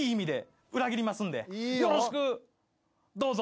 「よろしくどうぞ」